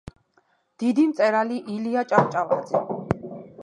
დიდი მწერალი ილია ჭავჭავაძე.